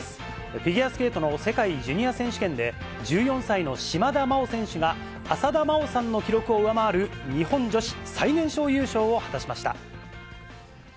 フィギュアスケートの世界ジュニア選手権で、１４歳の島田麻央選手が、浅田真央さんの記録を上回る、日本女子最年少優勝を果たしました。